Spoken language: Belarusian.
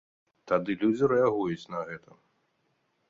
Тады людзі рэагуюць на гэта.